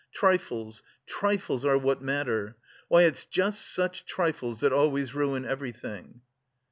Trifles, trifles are what matter! Why, it's just such trifles that always ruin everything...."